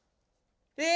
え？